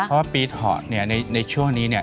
เพราะว่าปีเถาะเนี่ยในช่วงนี้เนี่ย